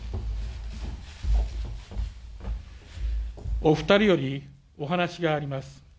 お二人よりお話があります。